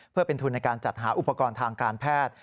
เพื่อเป็นทุนในการจัดหาอุปกรณ์ทางการแพทย์